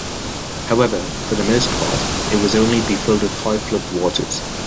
However, for the most part it would only be filled with high flood waters.